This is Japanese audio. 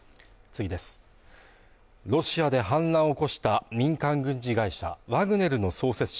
ロシアで反乱を起こした民間軍事会社ワグネルの創設者